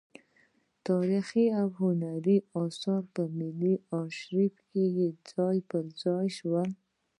تاریخي او هنري اثار په ملي ارشیف کې ځای پر ځای شول.